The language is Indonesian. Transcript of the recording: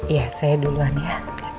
iya saya duluan ya